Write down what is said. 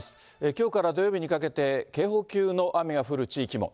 きょうから土曜日にかけて、警報級の雨が降る地域も。